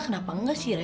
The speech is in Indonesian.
kenapa enggak sih re